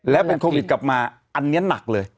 แล้วเป็นโควิดกลับมาอันนี้หนักเลย